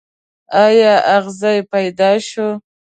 ایا اغزی پیدا شو.